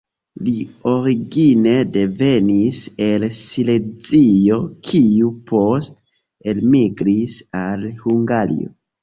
Li origine devenis el Silezio kiu poste elmigris al Hungario.